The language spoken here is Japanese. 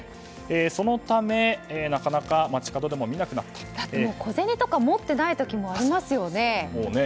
そのため、なかなか街角でもだって小銭とか持っていない時もありますよね。